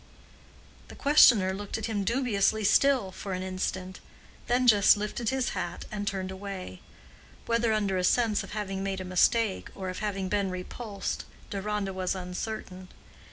The questioner looked at him dubiously still for an instant, then just lifted his hat and turned away; whether under a sense of having made a mistake or of having been repulsed, Deronda was uncertain.